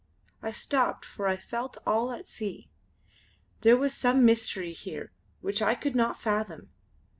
I stopped for I felt all at sea; there was some mystery here which I could not fathom.